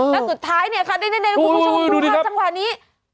แล้วสุดท้ายเนี่ยค่ะดูน่าสังหวะนี้